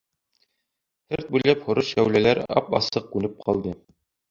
Һырт буйлап һоро шәүләләр ап-асыҡ күренеп ҡалды.